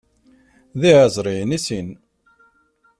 D iεeẓriyen i sin.